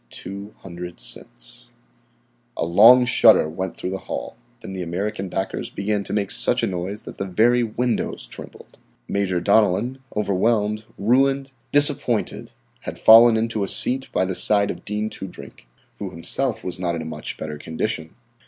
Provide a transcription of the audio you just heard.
"Two hundred cents!" A long shudder went through the hall. Then the American backers began to make such a noise that the very windows trembled. Major Donellan, overwhelmed, ruined, disappointed, had fallen into a seat by the side of Dean Toodrink, who himself was not in a much better condition.